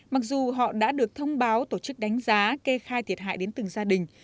mặc dù họ đã được thông báo tổ chức đánh giá kê khai thiệt hại đến từng gia đình